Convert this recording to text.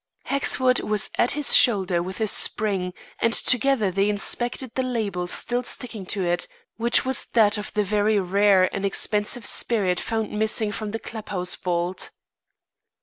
Hexford was at his shoulder with a spring, and together they inspected the label still sticking to it which was that of the very rare and expensive spirit found missing from the club house vault.